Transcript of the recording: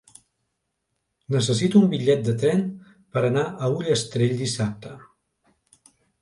Necessito un bitllet de tren per anar a Ullastrell dissabte.